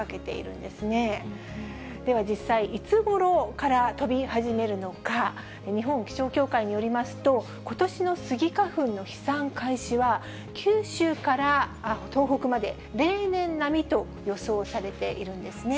では、実際、いつごろから飛び始めるのか、日本気象協会によりますと、ことしのスギ花粉の飛散開始は九州から東北まで、例年並みと予想されているんですね。